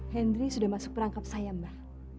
hendry sudah masuk perangkap saya mbah